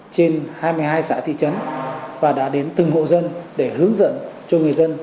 trên hai mươi hai xã thị trấn và đã đến từng hộ dân để hướng dẫn cho người dân